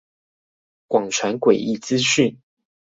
廣傳詭異資訊